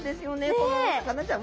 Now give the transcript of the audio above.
このお魚ちゃんは。